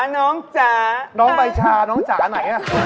น้องใบชาน้องจ๋าน้องจ๋าไหนน่ะ